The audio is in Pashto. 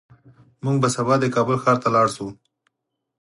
موږ به سبا د کابل ښار ته لاړ شو